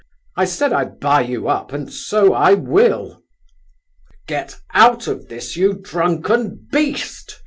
I said I'd buy you up, and so I will." "Get out of this, you drunken beast!"